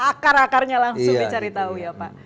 akar akarnya langsung dicari tahu ya pak